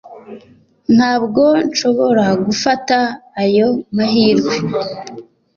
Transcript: ntabwo nshobora gufata ayo mahirwe. (